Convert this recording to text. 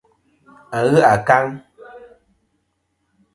A ghɨ ankaŋ.